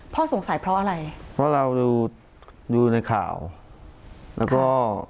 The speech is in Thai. สงสัยเพราะอะไรเพราะเราดูในข่าวแล้วก็